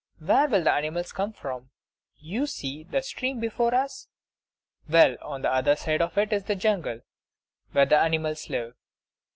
Where will the animals come from? You see the stream before us; well, on the other side of it is the jungle, where the animals live.